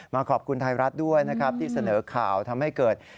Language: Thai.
มาขอบคุณไทยรัฐด้วยนะครับที่เสนอข่าวทำให้เกิด